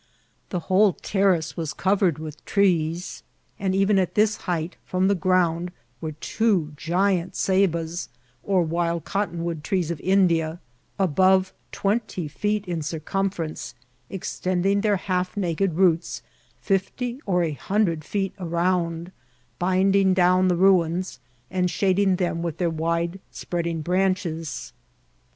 The whole terrace was covered with trees, and even at this height from the ground were two gigantic Ceibas, or wild cotton trees of India, above twenty feet in circumference, ex tending their half naked roots fifty or a hundred feet around, binding down the ruins, and shading them with their wide spreading branches.